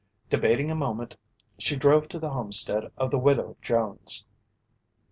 Debating a moment, she drove to the homestead of the Widow Jones.